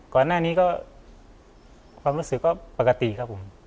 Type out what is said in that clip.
ก่อนหน้านี้ก็ความรู้สึกก็ปกติครับผม